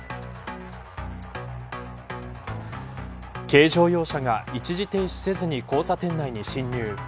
軽乗用車が一時停止せずに交差点内に進入。